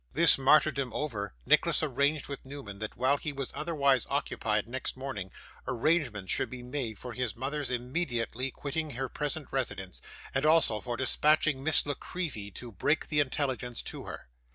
This martyrdom over, Nicholas arranged with Newman that while he was otherwise occupied next morning, arrangements should be made for his mother's immediately quitting her present residence, and also for dispatching Miss La Creevy to break the intelligence to her.